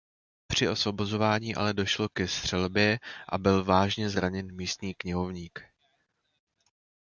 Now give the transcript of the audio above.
Při osvobozování ale došlo ke střelbě a byl vážně zraněn místní knihovník.